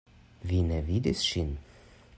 Vi ne vidis ŝin?